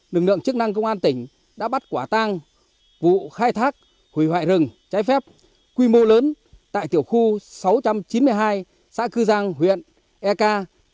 lực lượng chức năng công an tỉnh đã bắt quả tang vụ khai thác hủy hoại rừng trái phép quy mô lớn tại tiểu khu sáu trăm chín mươi hai xã cư giang huyện eka